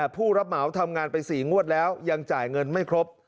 ผู้รับเหมาทำงานไป๔งวดแล้วยังจ่ายเงินไม่ครบ